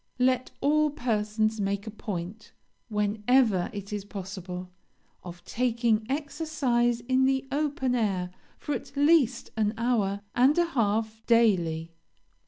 Let all persons make a point, whenever it is possible, of taking exercise in the open air for at least an hour and a half daily.